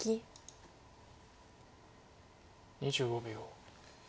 ２５秒。